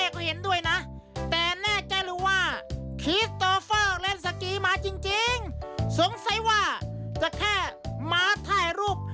แค่หมาไล่รูป